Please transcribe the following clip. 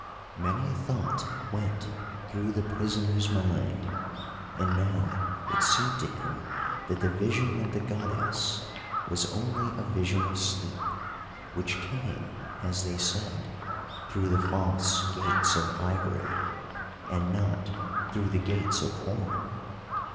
Many a thought went through the prisoner's mind, and now it seemed to him that the vision of the Goddess was only a vision of sleep, which came, as they said, through the false Gates of Ivory, and not through the Gates of Horn.